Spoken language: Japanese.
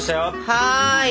はい！